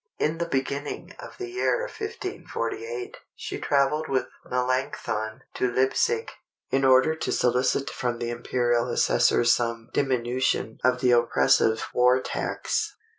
In the beginning of the year 1548, she travelled with Melanchthon to Leipzig, in order to solicit from the imperial assessor some diminution of the oppressive war tax.